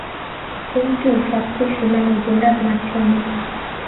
অন্তু, শাস্তির সীমা নেই, দিনরাত মারছে আমাকে।